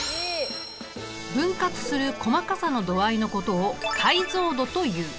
分割する細かさの度合いのことを解像度という。